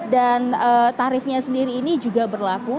dan tarifnya sendiri ini juga berlaku